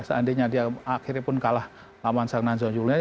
seandainya dia akhirnya pun kalah lawan zhang nan zhao yunle